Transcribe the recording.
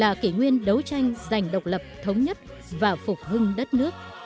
là kỷ nguyên đấu tranh giành độc lập thống nhất và phục hưng đất nước